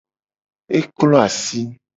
E klo asi.